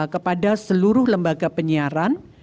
kepada seluruh lembaga penyiaran